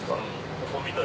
ここみたい。